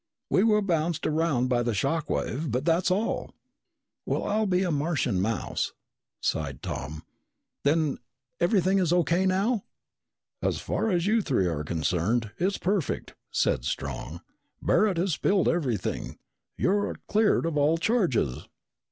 We were bounced around by the shock wave but that's all!" "Well, I'll be a Martian mouse," sighed Tom. "Then everything is O.K. now?" "So far as you three are concerned, it's perfect," said Strong. "Barret has spilled everything. You're cleared of all charges!"